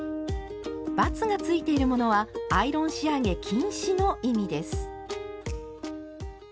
バツがついているものはアイロン仕上げ禁止の意味です。